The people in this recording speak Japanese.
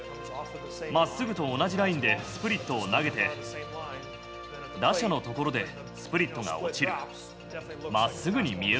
まっすぐと同じラインでスプリットを投げて、打者の所でスプリットが落ちる。